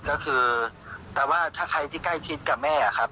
ก็คือแต่ว่าถ้าใครที่ใกล้ชิดกับแม่ครับ